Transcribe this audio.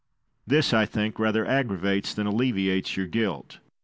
Guise. This, I think, rather aggravates than alleviates your guilt.